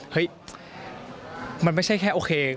เฮ้ยมันไม่ใช่แค่โอเค